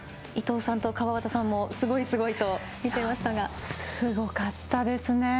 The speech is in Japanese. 伊藤さんと川端さんもすごいと見ていましたがすごかったですね。